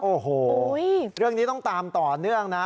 โอ้โหเรื่องนี้ต้องตามต่อเนื่องนะ